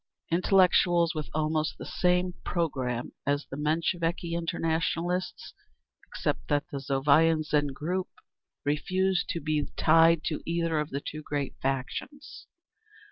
Intellectuals, with almost the same programme as the Mensheviki Internationalists, except that the Novaya Zhizn group refused to be tied to either of the two great factions.